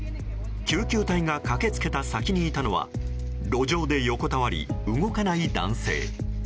救急隊が駆け付けた先にいたのは路上で横たわり、動かない男性。